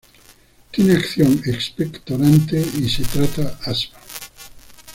Tiene acción expectorante y se trata asma.